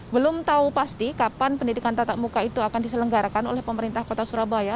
belum tahu pasti kapan pendidikan tatap muka itu akan diselenggarakan oleh pemerintah kota surabaya